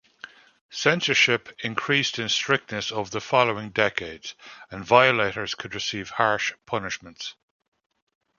Censorship increased in strictness over the following decades, and violators could receive harsh punishments.